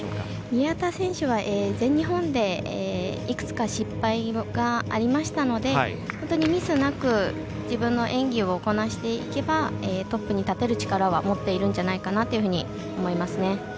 宮田選手は全日本でいくつか失敗がありましたのでミスなく自分の演技をこなしていけばトップに立てる力は持っているんじゃないかなというふうに思います。